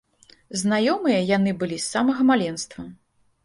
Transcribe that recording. Знаёмыя яны былі з самага маленства.